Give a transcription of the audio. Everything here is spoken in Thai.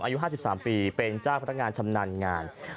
อายุ๕๓ปีเป็นจ้าพันธกรรมงาน